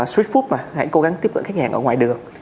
sweet food mà hãy cố gắng tiếp cận khách hàng ở ngoài đường